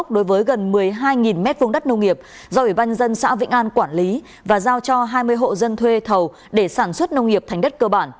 do ủy banh dân xã vĩnh an quản lý và giao cho hai mươi hộ dân thuê thầu để sản xuất nông nghiệp thành đất cơ bản